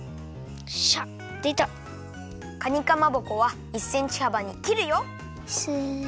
かにかまぼこは１センチはばにきるよ。